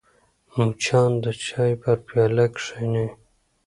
مچان د چای پر پیاله کښېني